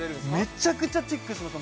めちゃくちゃチェックします